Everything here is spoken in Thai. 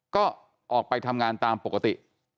ก็ออกไปทำงานตามปกติ